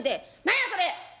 何やそれ！」。